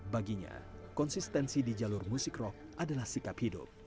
baginya konsistensi di jalur musik rock adalah sikap hidup